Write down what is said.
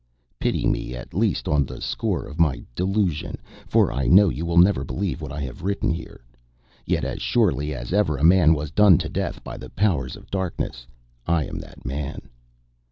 Pity me, at least on the score of my "delusion," for I know you will never believe what I have written here. Yet as surely as ever a man was done to death by the Powers of Darkness I am that man.